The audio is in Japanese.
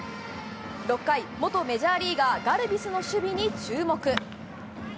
６回、元メジャーリーガー、ガルビスの守備に注目。